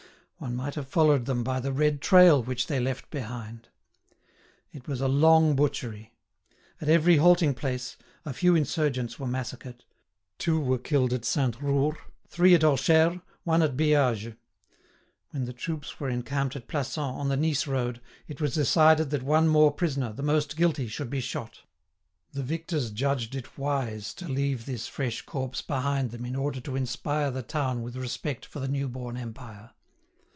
One might have followed them by the red trail which they left behind.[*] It was a long butchery. At every halting place, a few insurgents were massacred. Two were killed at Sainte Roure, three at Ocheres, one at Beage. When the troops were encamped at Plassans, on the Nice road, it was decided that one more prisoner, the most guilty, should be shot. The victors judged it wise to leave this fresh corpse behind them in order to inspire the town with respect for the new born Empire.